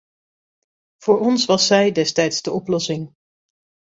Voor ons was zij destijds de oplossing.